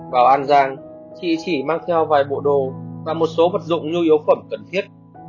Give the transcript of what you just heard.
vào an giang chị chỉ mang theo vài bộ đồ và một số vật dụng nhu yếu phẩm cần thiết